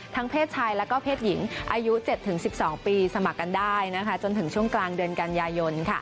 เพศชายและเพศหญิงอายุ๗๑๒ปีสมัครกันได้จนถึงช่วงกลางเดือนกันยายน